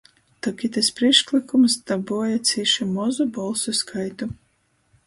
Tok itys prīšklykums dabuoja cīši mozu bolsu skaitu